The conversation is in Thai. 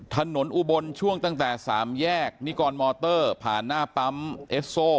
อุบลช่วงตั้งแต่๓แยกนิกรมอเตอร์ผ่านหน้าปั๊มเอสโซ